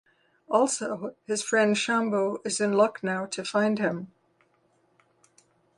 Also his friend Shambhu is in Lucknow to find him.